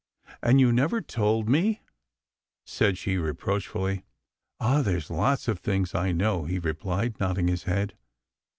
"And you never told me," said she reproach fully. "Ah, there's lots of things I know," he replied, nodding his head.